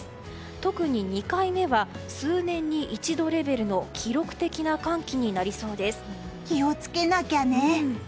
特に２回目は数年に一度レベルの記録的な寒気になりそうです。